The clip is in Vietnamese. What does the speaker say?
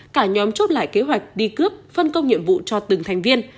cả nhóm chốt lại kế hoạch đi cướp phân công nhiệm vụ cho từng thành viên